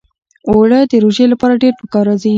اوړه د روژې لپاره ډېر پکار راځي